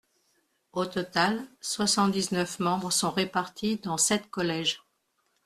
Au total, soixante-dix-neuf membres sont répartis dans sept collèges.